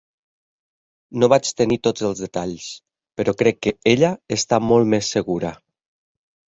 No vaig tenir tots els detalls, però crec que ella està molt més segura.